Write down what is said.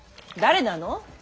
誰なの？